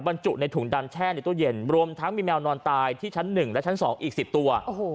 บรรจุในถุงดำแช่ในตู้เย็นรวมทั้งมีแมวนอนตายที่ชั้น๑และชั้น๒อีก๑๐ตัว